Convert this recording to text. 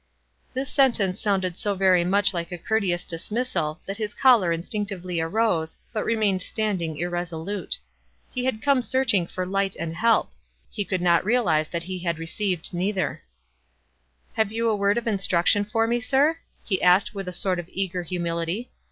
This sentence sounded so very much like a courteous dismissal, that his caller instinctively arose, but remained standing irresolute. He had come searching for light and help ; he could not realize that he had received either "Have you a word of instruction for me, sir?'* he asked with a sort of eager humility.